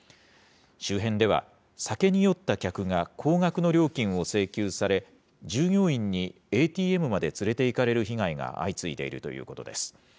周辺では、酒に酔った客が高額の料金を請求され、従業員にＡＴＭまで連れていかれる被害が相次いでいるということです。